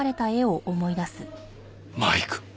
マイク。